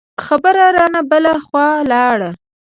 خبره رانه بله خوا لاړه.